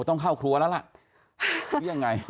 ต้องเข้าครัวแล้วล่ะหรือยังไง